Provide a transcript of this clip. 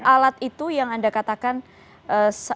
alat itu yang anda katakan satu mesin bisa mendeteksi mempercepat